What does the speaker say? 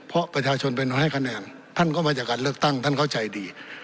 เพราะประชาชนเป็นให้คะแนนท่านก็มาจากการเลือกตั้งท่านเข้าใจดี